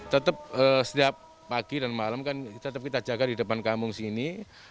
tetap setiap pagi dan malam kan tetap kita jaga di depan kampung sini